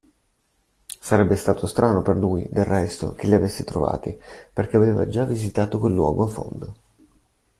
Sarebbe stato strano per lui, del resto, che li avesse trovati, perché aveva già visitato quel luogo a fondo.